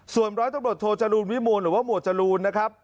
ส่วนร้อยตำรวจโทจรูลวิมูลหรือว่าหมวดจรูนนะครับ